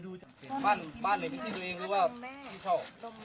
โรงแม่โรงโรง